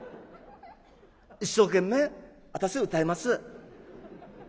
「一生懸命私歌います」。